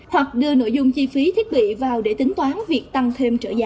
hoặc đưa nội dung chi phí thiết bị vào để tính toán việc tăng thêm trợ giá